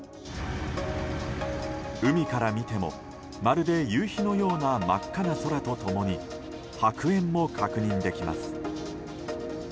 海から見てもまるで夕日のような真っ赤な空と共に白煙も確認できます。